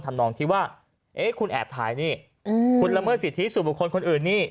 ทำนองที่ว่าคุณแอบถ่ายนี่คุณละเมื่อสิทธิสูงบุคคลคนอื่นนี่